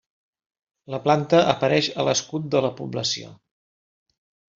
La planta apareix a l'escut de la població.